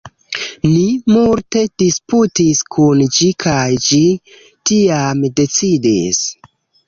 ni multe disputis kun ĝi kaj ĝi tiam decidis